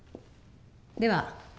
では